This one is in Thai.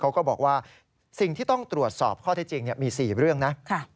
ก็บอกว่าสิ่งที่ต้องตรวจสอบข้อเท็จจริงมี๔เรื่องนะ